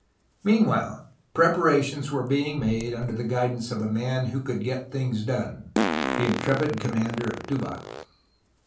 Meanwhile, preparations were being made under the guidance of a man who could get things done, the intrepid commander of Tubac.